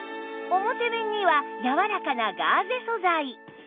表面にはやわらかなガーゼ素材